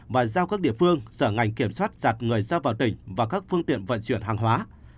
và giao các địa phương sở ngành kiểm soát chặt người ra vào tỉnh và các phương tiện vận chuyển hàng hóa